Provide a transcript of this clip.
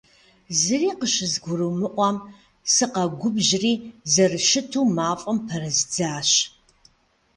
Зыри къыщызгурымыӀуэм сыкъэгубжьри, зэрыщыту мафӀэм пэрыздзащ.